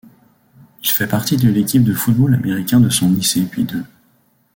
Il fait partie de l'équipe de football américain de son lycée puis de l'.